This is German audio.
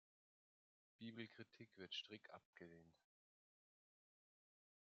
Bibelkritik wird strikt abgelehnt.